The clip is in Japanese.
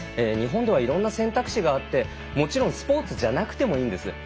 日本ではいろんな選択肢があってもちろんスポーツじゃなくてもいいんです。